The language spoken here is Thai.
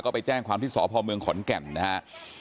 ไปแจ้งความที่สพเมืองขอนแก่นนะครับ